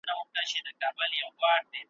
دا دریاب دی موږ ته پاته دي مزلونه ,